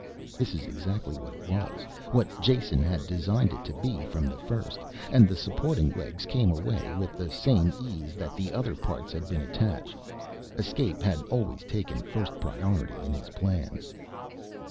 This is exactly what it was, what Jason had designed it to be from the first, and the supporting legs came away with the same ease that the other parts had been attached. Escape had always taken first priority in his plans.